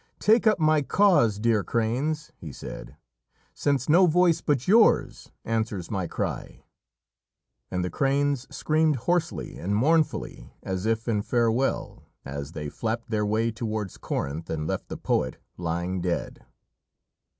"Take up my cause, dear cranes!" he said, "since no voice but yours answers my cry!" And the cranes screamed hoarsely and mournfully as if in farewell, as they flapped their way towards Corinth and left the poet lying dead.